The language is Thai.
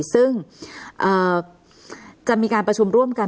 ซึ่งจะมีการประชุมร่วมกัน